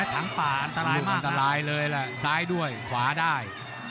ทั้งป่าอันตรายมากน่ะลูกอันตรายเลยล่ะซ้ายด้วยขวาด้าย